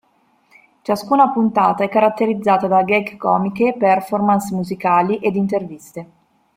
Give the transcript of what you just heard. Ciascuna puntata è caratterizzata da gag comiche, performance musicali ed interviste.